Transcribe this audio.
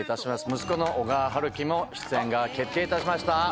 息子の小川陽喜も出演が決定いたしました。